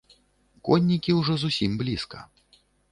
Коннікі ўжо зусім блізка.